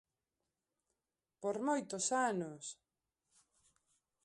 Por moitos anos!